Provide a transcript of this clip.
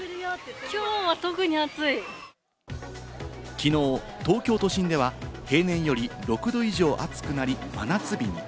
きのう東京都心では平年より６度以上暑くなり真夏日に。